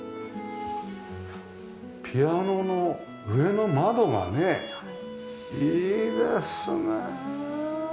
ピアノの上の窓がねいいですね！